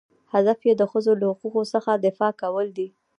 هدف یې د ښځو له حقوقو څخه دفاع کول دي.